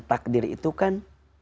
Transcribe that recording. takdir itu kan